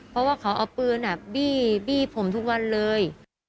เพราะว่าเขาเอาปืนบีบี้ผมทุกวันเลย